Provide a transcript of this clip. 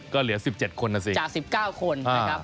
ก็เหลือสิบเจ็ดคนนะสิจากสิบเก้าคนนะครับ